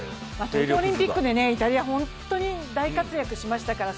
東京オリンピックでイタリア本当に大活躍しましたからね。